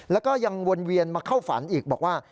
แล้วก็ยังวนเวียนมาเข้าฝันอีกบอกว่า